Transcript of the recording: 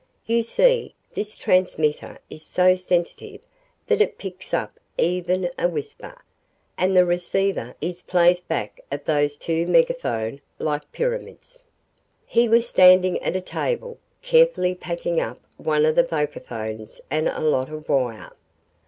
You see, this transmitter is so sensitive that it picks up even a whisper, and the receiver is placed back of those two megaphone like pyramids." He was standing at a table, carefully packing up one of the vocaphones and a lot of wire.